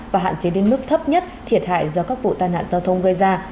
và hạn chế đến mức thấp nhất thiệt hại do các vụ tai nạn giao thông gây ra